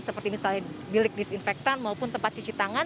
seperti misalnya bilik disinfektan maupun tempat cuci tangan